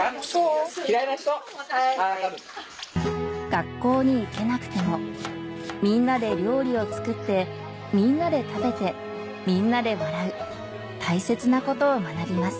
学校に行けなくてもみんなで料理を作ってみんなで食べてみんなで笑う大切なことを学びます